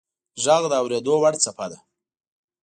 • ږغ د اورېدو وړ څپه ده.